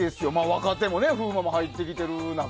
若手も、風磨も入ってきている中。